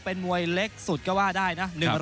เป็นมวยเล็กสุดก็ว่าได้นะ